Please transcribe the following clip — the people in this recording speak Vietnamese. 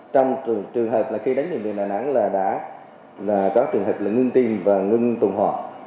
trong trường hợp khi đánh bệnh viện đà nẵng là đã có trường hợp ngưng tim và ngưng tùng hồng